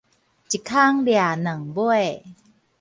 一空掠兩尾